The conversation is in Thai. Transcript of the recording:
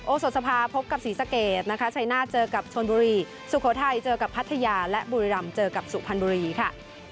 โสภาสภาพบกับศรีสะเกดนะคะชัยหน้าเจอกับชนบุรีสุโขทัยเจอกับพัทยาและบุรีรำเจอกับสุพรรณบุรีค่ะ